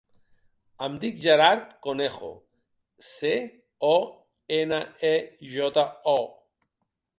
Em dic Gerard Conejo: ce, o, ena, e, jota, o.